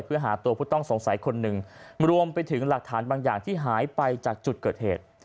เพื่อหาตัวผู้ต้องสงสัยคนหนึ่งรวมไปถึงหลักฐานบางอย่างที่หายไปจากจุดเกิดเหตุ